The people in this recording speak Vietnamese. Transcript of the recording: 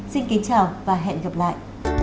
xin kính chào và hẹn gặp lại